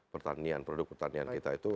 pertanian produk pertanian kita itu